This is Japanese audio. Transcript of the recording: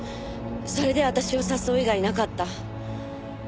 それで私を誘う以外になかった。